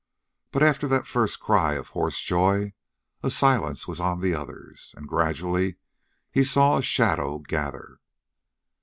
But, after that first cry of hoarse joy, a silence was on the others, and gradually he saw a shadow gather.